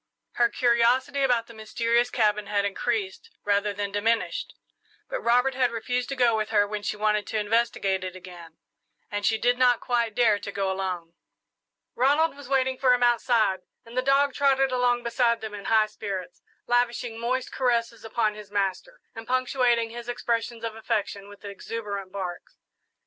Her curiosity about the mysterious cabin had increased rather than diminished; but Robert had refused to go with her when she wanted to investigate it again, and she did not quite dare to go alone. Ronald was waiting for him outside, and the dog trotted along beside them in high spirits, lavishing moist caresses upon his master, and punctuating his expressions of affection with exuberant barks.